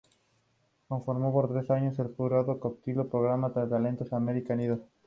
Conformó por tres años el jurado del cotizado programa de talentos American Idol.